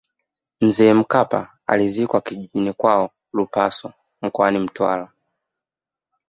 mzee mkapa amezikwa kijijini kwao lupaso mkoani mtwara